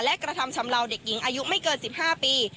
และกระทำชำลาวเด็กหญิงอายุไม่เกิน๑๕ปี